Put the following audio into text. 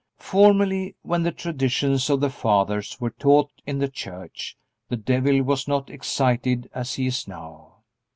Formerly, when the traditions of the fathers were taught in the Church, the devil was not excited as he is now.